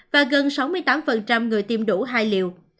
và gần sáu mươi tám người tiêm đủ hai liều